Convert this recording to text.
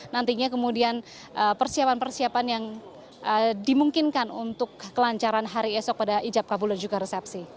nantinya kemudian persiapan persiapan yang dimungkinkan untuk kelancaran hari esok pada ijab kabul dan juga resepsi